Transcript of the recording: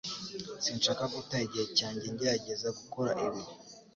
Sinshaka guta igihe cyanjye ngerageza gukora ibi